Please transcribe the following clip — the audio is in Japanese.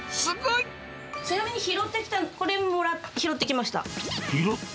ちなみに拾ってきた、これも拾ってきた？